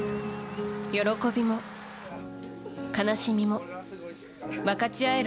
喜びも悲しみも分かち合える